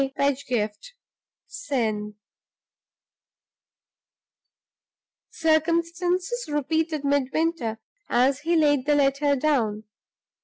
PEDGIFT, Sen." "Circumstances?" repeated Midwinter, as he laid the letter down.